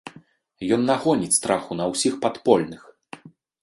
Ён нагоніць страху на ўсіх падпольных.